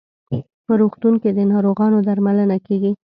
په روغتون کې د ناروغانو درملنه کیږي.